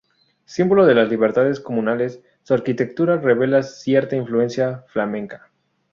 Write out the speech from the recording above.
Símbolo de las libertades comunales, su arquitectura revela cierta influencia flamenca.